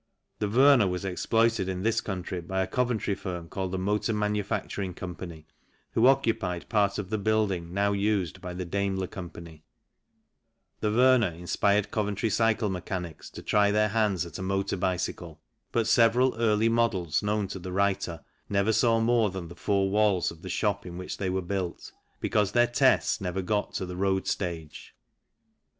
The Werner was exploited in this country by a Coventry firm called the Motor Manufacturing Co., who occupied part of the building now used by the Daimler Co. Fig. 27 DETAILS OF THE FLYWHEEL MAGNETO WHICH IS A FEATURE OF THE VILLIERS TWO STROKE ENGINE The Werner inspired Coventry cycle mechanics to try their hands at a motor bicycle, but several early models known to the writer never saw more than the four walls of the shop in which they were built, because their tests never got to the road stage.